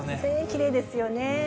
きれいですよね。